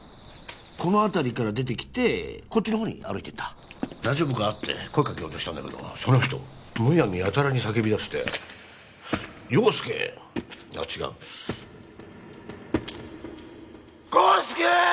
この辺りから出てきてこっちの方に歩いていった「大丈夫か？」って声かけようとしたんだけどその人むやみやたらに叫びだして「ようすけ！」あっ違う康介！